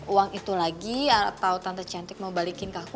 uang itu lagi atau tante cantik mau balikin ke aku